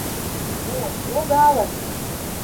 — Во, логалын!